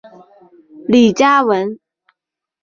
李嘉文。